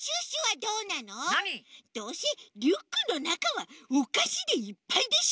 どうせリュックのなかはおかしでいっぱいでしょ！